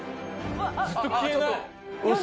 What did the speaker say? ずっと消えない。